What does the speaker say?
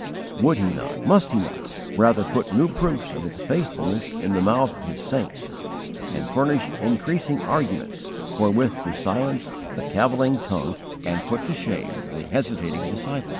Would He not, must He not, rather put new proofs of His faithfulness in the mouth of His saints, and furnish increasing arguments wherewith to silence the cavilling tongue and put to shame the hesitating disciple?